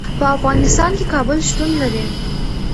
په افغانستان کې کابل شتون لري.